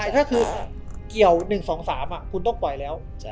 ถ้าคือเกี่ยว๑๒๓คุณต้องปล่อยแล้ว